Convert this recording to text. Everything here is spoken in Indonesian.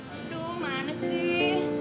aduh mana sih